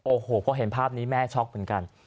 โอ้โหพอเห็นภาพนี้แม่ช็อกเหมือนกัน